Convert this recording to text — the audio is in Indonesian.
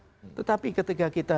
iya tetapi ketika kita